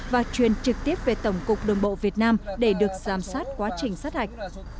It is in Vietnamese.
và truyền trực tiếp về tổng cục đồng bộ việt nam để được giám sát quá trình sát hạch